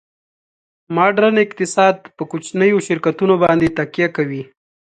ماډرن اقتصاد په کوچنیو شرکتونو باندې تکیه کوي